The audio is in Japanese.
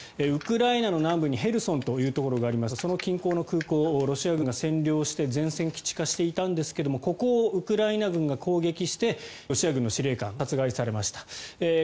ウクライナの南部にヘルソンというところがありますがその近郊の空港をロシア軍が占領して前線基地化していたんですがここをウクライナ軍が攻撃してロシア軍の司令官殺害されました。